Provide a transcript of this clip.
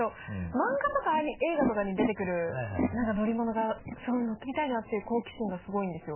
漫画とか映画とかに出てくる何か乗り物がすごい乗ってみたいなっていう好奇心がすごいんですよ。